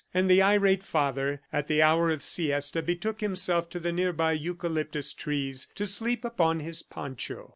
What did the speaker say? And the irate father, at the hour of siesta, betook himself to the nearby eucalyptus trees, to sleep upon his poncho.